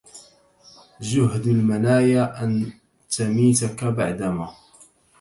جهد المنايا أن تميتك بعدما